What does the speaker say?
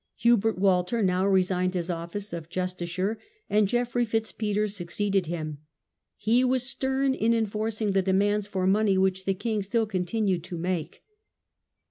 Hubert Walter now resigned his office of justiciar, and Geoffrey Fitz Peter succeeded him. He was stern in enforcing the demands for money which the king still continued to make.